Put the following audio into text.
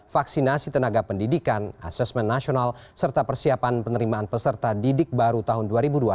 vaksinasi tenaga pendidikan asesmen nasional serta persiapan penerimaan peserta didik baru tahun dua ribu dua puluh satu